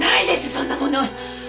そんなもの！